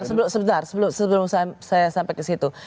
sebentar sebentar sebelum saya sampai ke situ